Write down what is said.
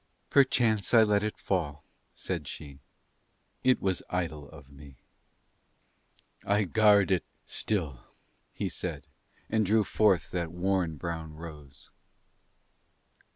"Perchance I let it fall," said she. "It was idle of me." "I guard it still," he said, and drew forth that worn brown rose.